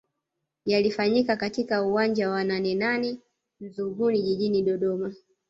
Yalifanyika katika uwanja wa Nanenane Nzuguni Jijini Dodoma